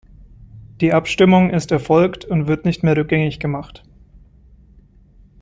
Die Abstimmung ist erfolgt und wird nicht mehr rückgängig gemacht.